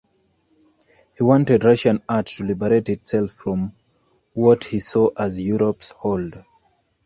He wanted Russian art to liberate itself from what he saw as Europe's hold.